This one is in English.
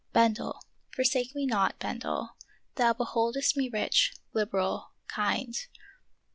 Bendel, forsake me not. Bendel, thou beholdest me rich, liberal, kind.